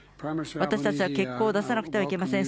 私たちは結果を出さなくてはいけません。